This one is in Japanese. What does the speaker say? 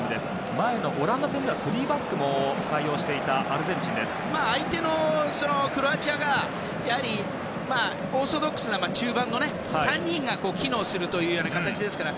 前のオランダ戦では３バックも採用していた相手のクロアチアがやはりオーソドックスな中盤の３人が機能するという形ですから。